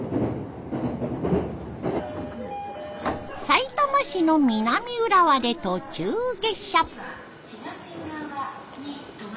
さいたま市の南浦和で途中下車。